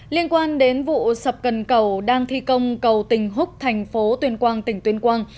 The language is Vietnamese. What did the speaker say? liên quan đến vụ sập cần cầu đang thi công cầu tỉnh húc thành phố tuyên quang tỉnh tuyên quang